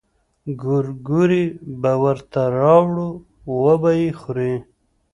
ګورګورې به ورته راوړو وبه يې خوري.